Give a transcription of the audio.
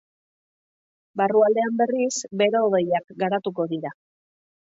Barrualdean berriz, bero-hodeiak garatuko dira.